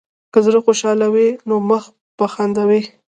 که زړه خوشحال وي، نو مخ به وخاندي.